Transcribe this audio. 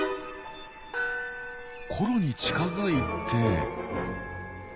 コロに近づいて。